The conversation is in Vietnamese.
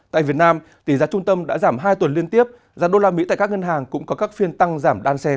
tại việt nam tỷ giá trung tâm đã giảm hai tuần liên tiếp giá đô la mỹ tại các ngân hàng cũng có các phiên tăng giảm đan sen